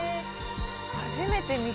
初めて見た！